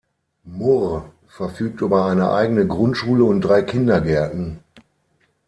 Murr verfügt über eine eigene Grundschule und drei Kindergärten.